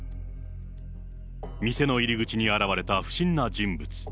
店の入り口に現れた不審な人物。